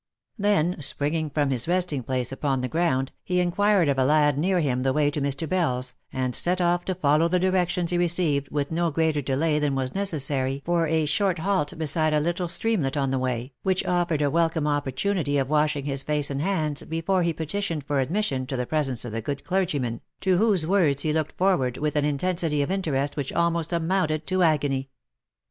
Then, springing from his resting place upon the ground, he inquired of a lad near him the way to Mr. Bell's, and set off to follow the directions he received with no greater delay than was necessary for a short halt beside a little streamlet on the way, which offered a welcome opportunity of washing his face and hands before he petitioned for admission to the presence of the good clergyman, to whose words he looked forward with an intensity of interest which almost amounted to agony.